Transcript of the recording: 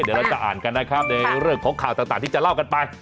เดี๋ยวเราจะอ่านกันนะครับในเรื่องของข่าวต่างที่จะเล่ากันไป